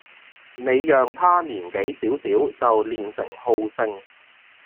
你讓他年紀小小就練成好勝